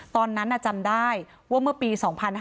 ตอนนั้นจำได้ว่าเมื่อปี๒๕๕๙